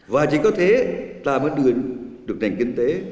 và chỉ có thế ta mới đưa được nền kinh tế